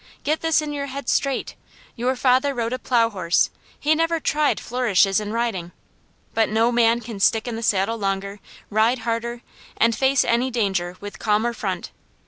Get this in your head straight. Your father rode a plow horse; he never tried flourishes in riding; but no man can stick in the saddle longer, ride harder, and face any danger with calmer front.